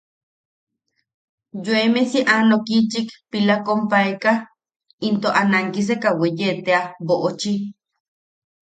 Yoeme si anokiʼichik pila koʼompaeka into a nankiseka weye tea boʼochi.